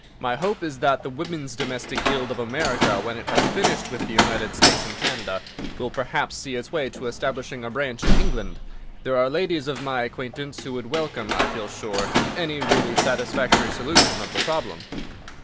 My hope is that the Women's Domestic Guild of America, when it has finished with the United States and Canada, will, perhaps, see its way to establishing a branch in England. There are ladies of my acquaintance who would welcome, I feel sure, any really satisfactory solution of the problem."